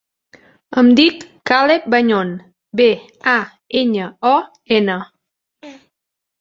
Em dic Caleb Bañon: be, a, enya, o, ena.